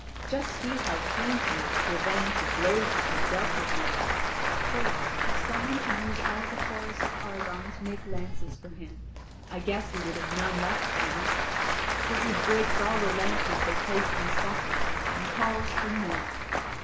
Just see how keen he is to avenge the blows which are dealt at him. For, if some one should use all the forest of Argone to make lances for him, I guess he would have none left by night. For he breaks all the lances that they place in his socket, and calls for more.